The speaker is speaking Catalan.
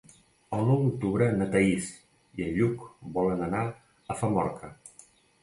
El nou d'octubre na Thaís i en Lluc volen anar a Famorca.